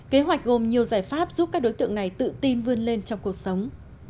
kế hoạch gồm nhiều giải pháp giúp các đối tượng này tự tin vươn lên trong cuộc sống